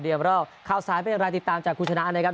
เรียมรอบข้าวสายเป็นรายติดตามจากคุณชนะนะครับ